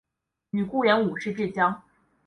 与顾炎武是至交。